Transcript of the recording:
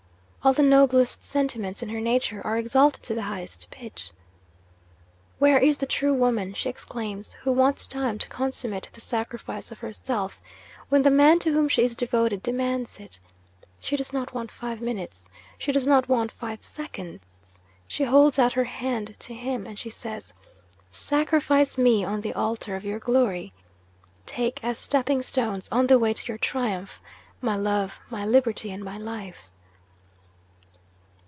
'All the noblest sentiments in her nature are exalted to the highest pitch. "Where is the true woman," she exclaims, "who wants time to consummate the sacrifice of herself, when the man to whom she is devoted demands it? She does not want five minutes she does not want five seconds she holds out her hand to him, and she says, Sacrifice me on the altar of your glory! Take as stepping stones on the way to your triumph, my love, my liberty, and my life!"